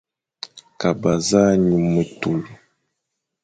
Kaba za nyum metul,